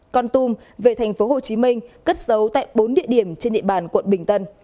con tum về tp hcm cất giấu tại bốn địa điểm trên địa bàn quận bình tân